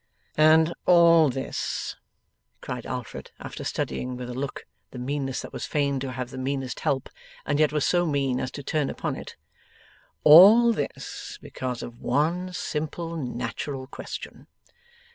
'And all this,' cried Alfred, after studying with a look the meanness that was fain to have the meanest help, and yet was so mean as to turn upon it: 'all this because of one simple natural question!